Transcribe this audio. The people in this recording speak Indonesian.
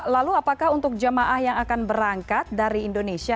lalu apakah untuk jemaah yang akan berangkat dari indonesia